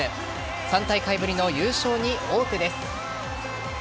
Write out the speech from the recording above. ３大会ぶりの優勝に王手です。